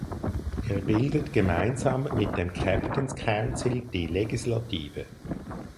Er bildet gemeinsam mit dem Captains Council die Legislative.